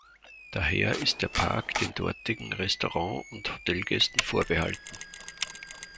Daher ist der Park den dortigen Restaurant- und Hotelgästen vorbehalten.